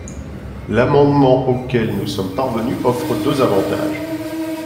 L’amendement auquel nous sommes parvenus offre deux avantages.